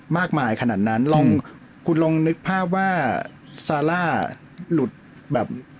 มากมายขนาดนั้นลองคุณลองนึกภาพว่าซาร่าหลุดแบบ